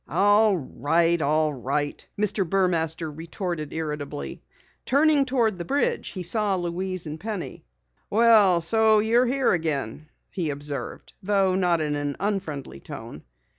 "All right, all right," Mr. Burmaster retorted irritably. Turning toward the bridge he saw Louise and Penny. "Well, so you're here again?" he observed, though not in an unfriendly tone.